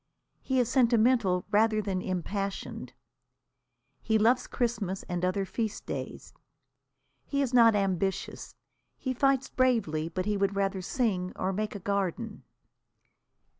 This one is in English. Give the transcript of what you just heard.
He is sentimental rather than impassioned. He loves Christmas and other feast days. He is not ambitious. He fights bravely, but he would rather sing or make a garden.